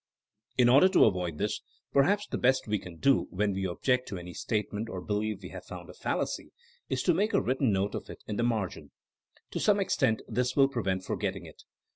In order to avoid this perhaps the best we can do when we object to any statement or believe we have found a fallacy, is to make written note of it in the margin. To some extent this will prevent forgetting it.